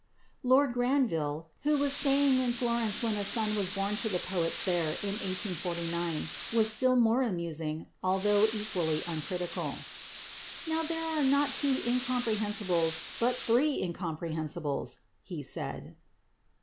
Lord Granville, who was staying in Florence when a son was born to the poets there in 1849, was still more amusing although equally uncritical. "Now there are not two incomprehensibles but three incomprehensibles," he said.